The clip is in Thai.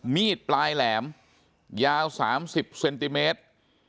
มีดปลายแหลมยาว๓๐เซนติเมตร